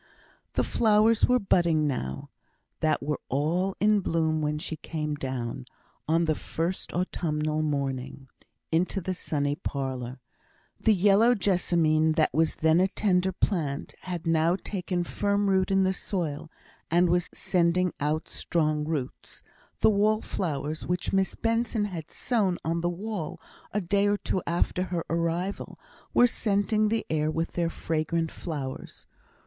The flowers were budding now, that were all in bloom when she came down, on the first autumnal morning, into the sunny parlour. The yellow jessamine, that was then a tender plant, had now taken firm root in the soil, and was sending out strong shoots; the wall flowers, which Miss Benson had sown on the wall a day or two after her arrival, were scenting the air with their fragrant flowers.